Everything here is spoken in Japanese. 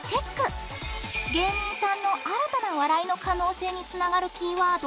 芸人さんの新たな笑いの可能性につながるキーワード